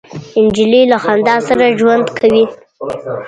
نجلۍ له خندا سره ژوند کوي.